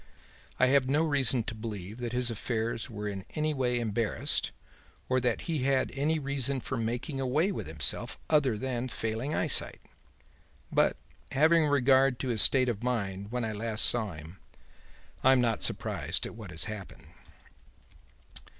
I have no reason to believe that his affairs were in any way embarrassed or that he had any reason for making away with himself other than his failing eyesight; but, having regard to his state of mind when I last saw him, I am not surprised at what has happened.'